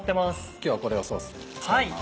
今日はこれをソースに使います